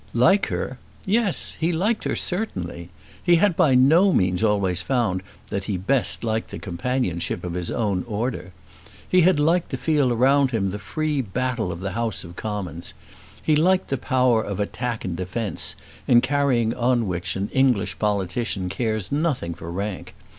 Like her! Yes! he liked her certainly. He had by no means always found that he best liked the companionship of his own order. He had liked to feel around him the free battle of the House of Commons. He liked the power of attack and defence in carrying on which an English politician cares nothing for rank.